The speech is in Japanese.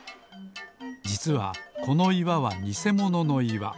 じつはこのいわはにせもののいわ。